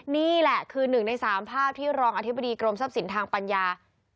นี่แหละคือ๑ใน๓ภาพที่รองอธิบดีกรมทรัพย์สินทางปัญญา